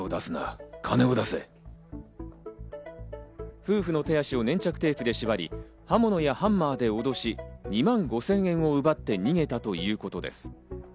夫婦の手足を粘着テープで縛り、刃物やハンマーでおどし、２万５０００円を奪って逃げたということです。